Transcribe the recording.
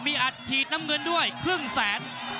มีอัดฉีดน้ำเงินด้วยครึ่งแสน